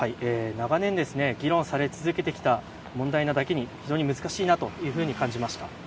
長年、議論され続けてきた問題なだけに難しいなと感じました。